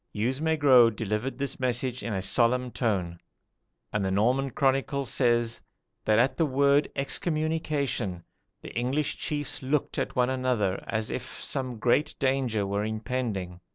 "Hugues Maigrot delivered this message in a solemn tone; and the Norman chronicle says that at the word EXCOMMUNICATION, the English chiefs looked at one another as if some great danger were impending.